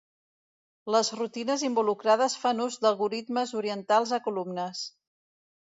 Les rutines involucrades fan ús d'algorismes orientats a columnes.